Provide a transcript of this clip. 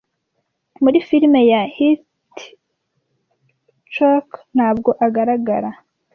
Muri firime ya Hitchcock ntabwo agaragara